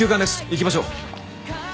行きましょう！